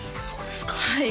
そうですか